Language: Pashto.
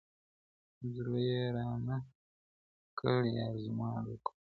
زړه يې را نه کړ ، يار زما د کوره